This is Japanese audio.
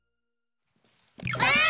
ばあっ！